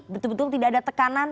betul betul tidak ada tekanan